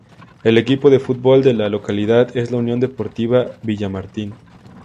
El equipo de fútbol de la localidad es la Unión Deportiva Villamartín.